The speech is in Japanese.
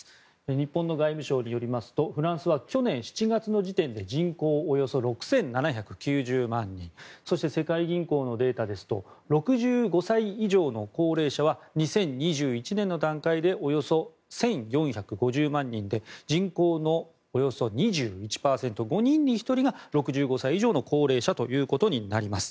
日本の外務省によりますとフランスは去年７月の時点で人口およそ６７９０万人そして、世界銀行のデータですと６５歳以上の高齢者は２０２１年の段階でおよそ１４５０万人で人口のおよそ２１％５人に１人が６５歳以上の高齢者ということになります。